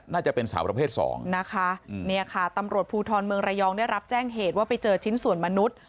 น่าจะเป็นสาวประเภทสองนะคะเนี่ยค่ะตำรวจภูทรเมืองระยองได้รับแจ้งเหตุว่าไปเจอชิ้นส่วนมนุษย์